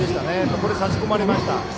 そこに差し込まれました。